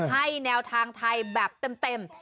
ให้แนวทางไทยแบบเต็ม